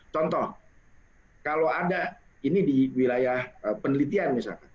contoh kalau ada ini di wilayah penelitian misalkan